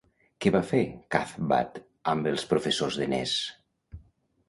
Què va fer Cathbad amb els professors de Ness?